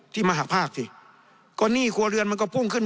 มาหักภาคสิก็หนี้ครัวเรือนมันก็พุ่งขึ้น